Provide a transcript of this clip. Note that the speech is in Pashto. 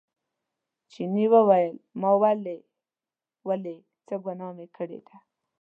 چیني وویل ما ولې ولئ څه ګناه مې کړې ده.